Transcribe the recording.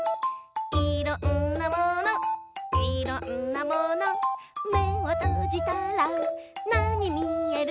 「いろんなものいろんなもの」「めをとじたらなにみえる？